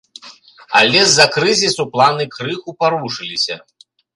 Але з-за крызісу планы крыху парушыліся.